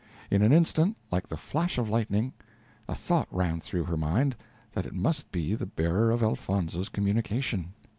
In an instant, like the flash of lightning, a thought ran through her mind that it must be the bearer of Elfonzo's communication.